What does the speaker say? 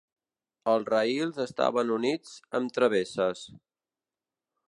Els raïls estaven units amb travesses